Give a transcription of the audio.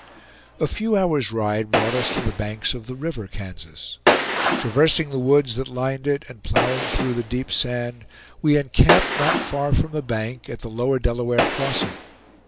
A few hours' ride brought us to the banks of the river Kansas. Traversing the woods that lined it, and plowing through the deep sand, we encamped not far from the bank, at the Lower Delaware crossing.